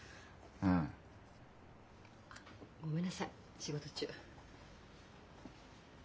うん。あっごめんなさい仕事中。